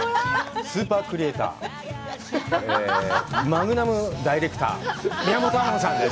スーパークリエーター、マグナムダイレクター、宮本亞門さんです。